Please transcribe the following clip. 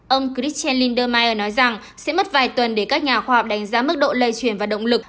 ông christian lindemeyer nói rằng sẽ mất vài tuần để các nhà khoa học đánh giá mức độ lây chuyển và động lực